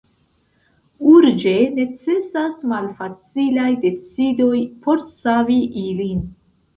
Urĝe necesas malfacilaj decidoj por savi ilin.